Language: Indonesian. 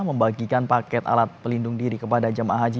membagikan paket alat pelindung diri kepada jemaah haji